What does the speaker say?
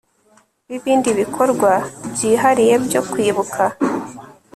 b Ibindi bikorwa byihariye byo kwibuka